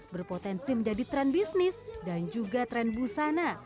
berpotensi menjadi tren bisnis dan juga tren busana